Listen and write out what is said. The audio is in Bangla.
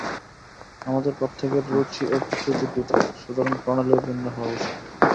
আমাদের প্রত্যেকের রুচি ও প্রকৃতি পৃথক্, সুতরাং প্রণালীও ভিন্ন হওয়া উচিত।